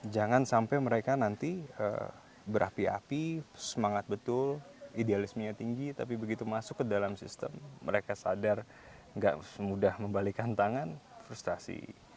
jangan sampai mereka nanti berapi api semangat betul idealismenya tinggi tapi begitu masuk ke dalam sistem mereka sadar nggak semudah membalikan tangan frustasi